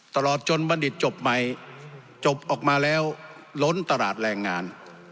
ตลอดจนบัณฑิตจบใหม่จบออกมาแล้วล้นตลาดแรงงาน